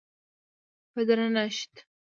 په درنښت،